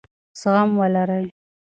زغم ولرئ.